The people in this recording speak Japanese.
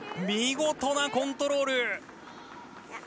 見事なコントロール。